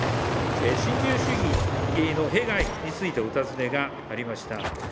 新自由主義の弊害についてお尋ねがありました。